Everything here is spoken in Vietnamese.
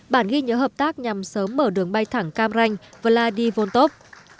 bản ghi nhớ hợp tác nhằm sớm mở đường bay thẳng cam ranh vladivostov